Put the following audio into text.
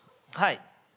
はい。